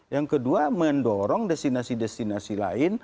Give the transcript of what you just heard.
yang kedua mendorong destinasi destinasi lain